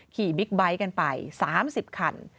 บิ๊กไบท์กันไป๓๐คัน